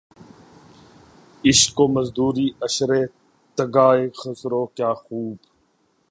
عشق و مزدوریِ عشر تگہِ خسرو‘ کیا خوب!